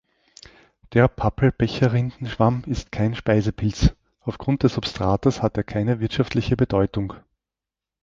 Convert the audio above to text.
Der Pappel-Becherrindenschwamm ist kein Speisepilz, aufgrund des Substrates hat er keine wirtschaftliche Bedeutung.